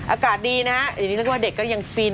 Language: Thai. อากาศดีนะฮะอย่างนึกว่าเด็กก็ยังฟิน